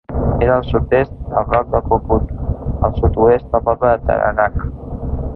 És al sud-est del Roc del Cucut, al sud-oest del poble de Tarerac.